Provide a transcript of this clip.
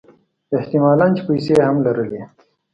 احت مالًا چې پیسې هم لرلې.